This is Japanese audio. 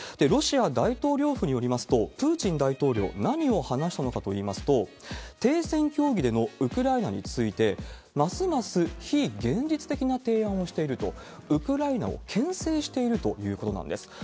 ロシア大統領府によりますと、プーチン大統領、何を話したのかといいますと、停戦協議でのウクライナについて、ますます非現実的な提案をしていると、ウクライナをけん制しているということなんです。